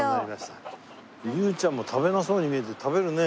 優ちゃんも食べなさそうに見えて食べるね。